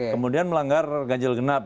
kemudian melanggar ganjil genap